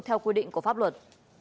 theo quy định của pháp luật